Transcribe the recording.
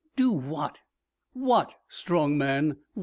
Do what? What, strong man?